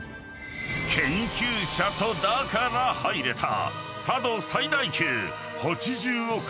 ［研究者とだから入れた］うわ！